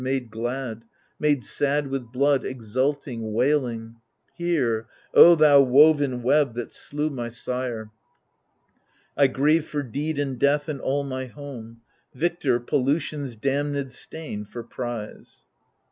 Made glad, made sad with blood, exulting, wailing Hear, O thou woven web that slew my sire ! I grieve for deed and death and all my home — Victor, pollution's damnM stain for prize.